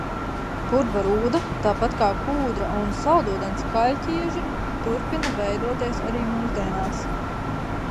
Purva rūda, tāpat kā kūdra un saldūdens kaļķieži, turpina veidoties arī mūsdienās.